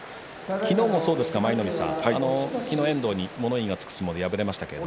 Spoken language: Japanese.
昨日もそうですが昨日は遠藤に物言いがつく相撲で敗れました。